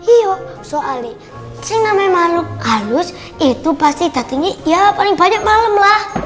iyo soalnya si namanya maluk halus itu pasti datangnya ya paling banyak malem aja